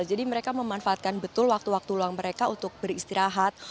mereka memanfaatkan betul waktu waktu luang mereka untuk beristirahat